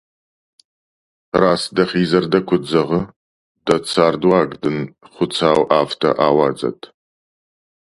Раст дӕхи зӕрдӕ куыд зӕгъы, дӕ цардыуаг дын хуыцау афтӕ ауадзӕд!